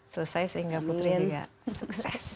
selesai sehingga putri juga sukses